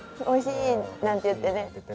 「おいしい」なんて言ってね